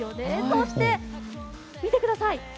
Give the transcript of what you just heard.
そして、見てください。